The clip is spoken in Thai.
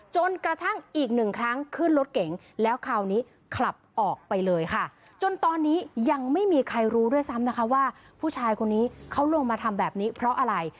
จนกระทั่งอีกหนึ่งครั้งขึ้นรถเก๋งแล้วคราวนี้ขับออกไปเลยค่ะจนตอนนี้ยังไม่มีใครรู้ด้วยซ้ำนะคะว่าผู้ชายคนนี้เขาลงมาทำแบบนี้เพราะอะไร